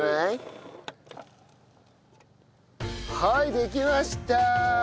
はいできました！